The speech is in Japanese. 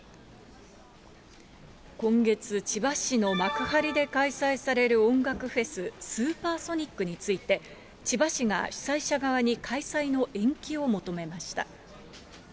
今月、千葉市の幕張で開催される音楽フェス、スーパーソニックについて、千葉市が主催者側に開催の延期を求めました。